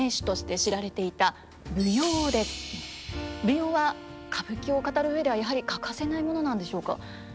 舞踊は歌舞伎を語る上ではやはり欠かせないものなんでしょうか。